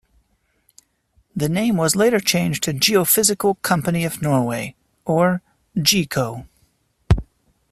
The name was later changed to Geophysical Company of Norway or Geco.